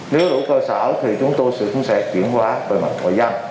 nếu đủ cơ sở thì chúng tôi cũng sẽ chuyển hóa bởi mặt ngoại gian